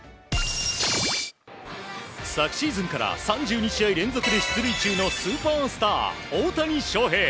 昨シーズンから３２試合連続で出塁中のスーパースター大谷翔平。